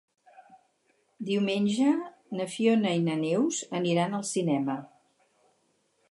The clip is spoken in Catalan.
Diumenge na Fiona i na Neus aniran al cinema.